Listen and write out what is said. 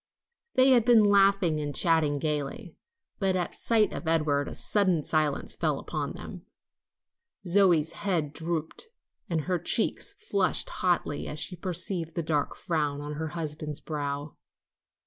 They had been laughing and chatting gayly, but at sight of Edward a sudden silence fell on them. Zoe's head drooped and her cheeks flushed hotly as she perceived the dark frown on her husband's brow.